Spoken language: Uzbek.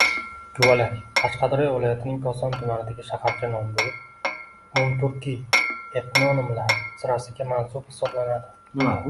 Guvalak – Qashqadaryo viloyatining Koson tumanidagi shaharcha nomi bo‘lib, umumturkiy etnonimlar sirasiga mansub hisoblanadi.